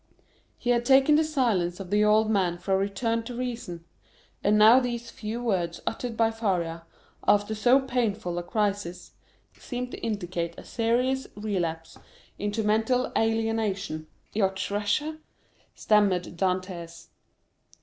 He had taken the silence of the old man for a return to reason; and now these few words uttered by Faria, after so painful a crisis, seemed to indicate a serious relapse into mental alienation. "Your treasure?" stammered Dantès.